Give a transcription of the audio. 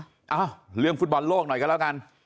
เอ้าเรื่องฟุตบอลโลกหน่อยกันแล้วกัน